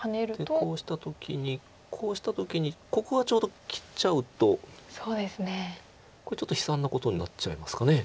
でこうした時にこうした時にここがちょうど切っちゃうとこれちょっと悲惨なことになっちゃいますか。